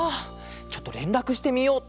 ちょっとれんらくしてみよう。